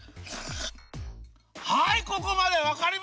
はい！